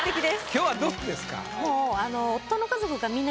今日はどうですか？